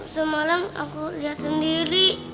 semalam aku liat sendiri